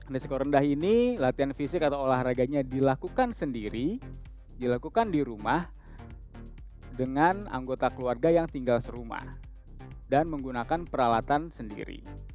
risiko rendah ini latihan fisik atau olahraganya dilakukan sendiri dilakukan di rumah dengan anggota keluarga yang tinggal serumah dan menggunakan peralatan sendiri